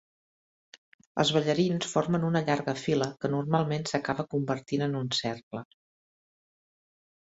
Els ballarins formen una llarga fila que normalment s'acaba convertint en un cercle.